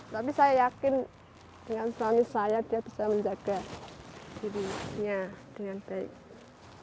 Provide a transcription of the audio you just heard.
tapi saya yakin dengan suami saya dia bisa menjaga dirinya dengan baik